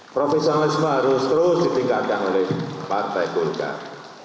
profesionalisme harus terus ditingkatkan oleh partai golkar